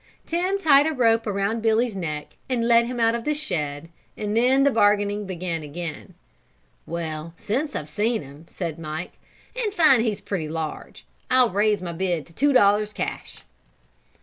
Tim tied a rope around Billy's neck and led him out of the shed and then the bargaining began again. "Well, since I have seen him," says Mike, "and find he is pretty large, I'll raise my bid to two dollars cash."